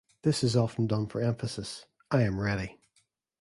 This is often done for emphasis: I am ready!